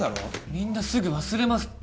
みんなすぐ忘れますって。